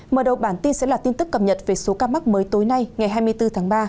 mở đầu bản tin sẽ là tin tức cập nhật về số ca mắc mới tối nay ngày hai mươi bốn tháng ba